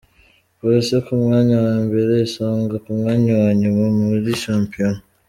Police ku mwanya wa mbere, Isonga ku mwanya wa nyuma muri shampiyona